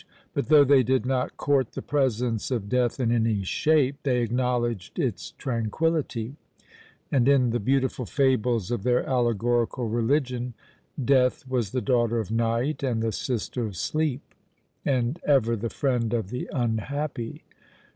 But though they did not court the presence of death in any shape, they acknowledged its tranquillity; and in the beautiful fables of their allegorical religion, Death was the daughter of Night, and the sister of Sleep; and ever the friend of the unhappy!